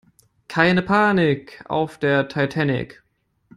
Keine Panik auf der Titanic!